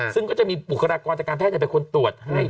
ซึ่งก็จะมีบุคลากรจากการแพทย์เป็นคนตรวจให้